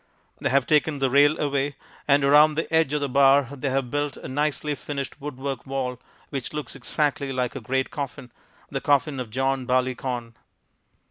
They have taken the rail away, and around the edge of the bar they have built a nicely finished woodwork wall which looks exactly like a great coffin, the coffin of John Barleycorn.